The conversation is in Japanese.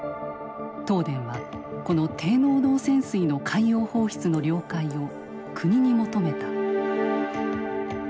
東電はこの低濃度汚染水の海洋放出の了解を国に求めた。